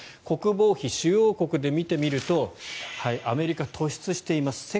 国防費、主要国で見てみるとアメリカは突出しています。